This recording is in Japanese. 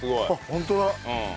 ホントだ。